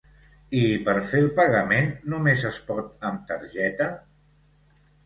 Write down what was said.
I per fer el pagament, nomes es pot amb targeta?